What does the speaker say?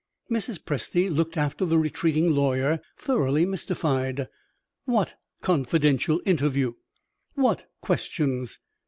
Mrs. Presty looked after the retreating lawyer thoroughly mystified. What "confidential interview"? What "questions"?